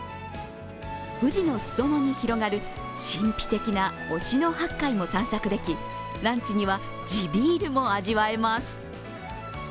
富士の裾野に広がる神秘的な忍野八海も散策でき、ランチには地ビールも味わえます。